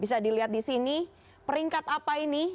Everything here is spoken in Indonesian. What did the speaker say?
bisa dilihat disini peringkat apa ini